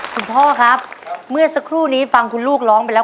พ่อครับเมื่อสักครู่นี้ฟังคุณลูกร้องไปแล้ว